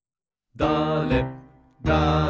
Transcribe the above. だれだれ